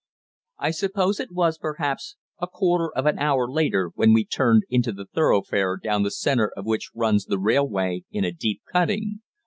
I suppose it was, perhaps, a quarter of an hour later when we turned into the thoroughfare down the centre of which runs the railway in a deep cutting.